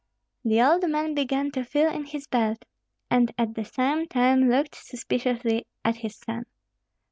The old man began to feel in his belt, and at the same time looked suspiciously at his son.